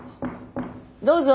どうぞ。